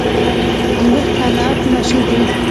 انګور په کندهار کې مشهور دي